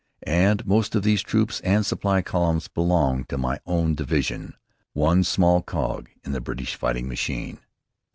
And most of these troops and supply columns belonged to my own division, one small cog in the British fighting machine.